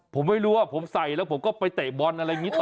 ผมไม่รู้ว่าผมใส่แล้วผมก็ไปเตะบอลอะไรอย่างนี้ต่อ